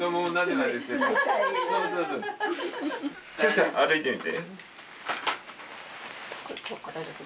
少し歩いてみて。